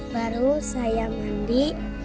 baru saya mandi